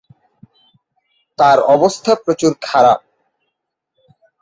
তার অবস্থা প্রচুর খারাপ।